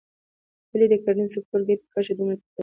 ولې د کرنیز سکتور ګټې کچه دومره ټیټه ده.